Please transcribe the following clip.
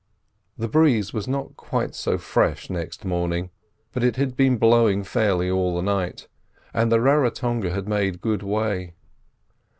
The breeze was not quite so fresh next morning, but it had been blowing fairly all the night, and the Raratonga had made good way.